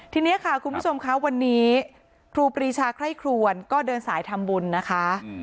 ทีนี้ค่ะคุณผู้ชมค่ะวันนี้ครูปรีชาไคร่ครวนก็เดินสายทำบุญนะคะ